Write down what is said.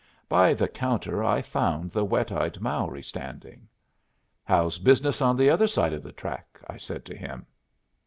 By the counter I found the wet eyed Mowry standing. "How's business on the other side of the track?" I said to him.